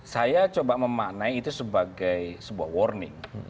saya coba memaknai itu sebagai sebuah warning